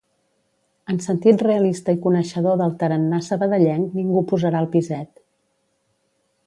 En sentit realista i coneixedor del tarannà sabadellenc ningú posarà el piset